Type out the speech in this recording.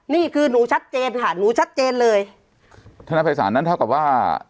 นี่คือหนูชัดเจนค่ะหนูชัดเจนเลยธนภัยศาลนั้นเท่ากับว่า